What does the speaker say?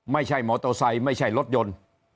ไม่ใช่มอโตไซไม่ใช่รถยนต์